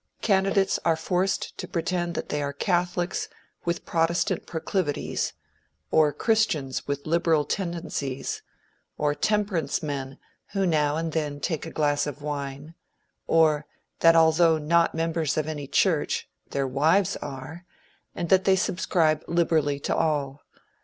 Candidates are forced to pretend that they are catholics with protest ant proclivities, or christians with liberal tendencies, or temperance men who now and then take a glass of wine, or, that although not members of any church their wives are, and that they subscribe liberally to all.